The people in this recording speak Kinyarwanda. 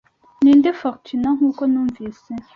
Ninde Fortuna nkuko numvise